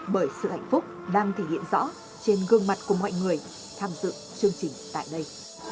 bởi sự hạnh phúc đang thể hiện rõ trên gương mặt của mọi người tham dự chương trình tại đây